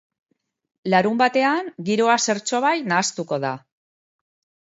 Larunbatean giroa zertxobait nahastuko da.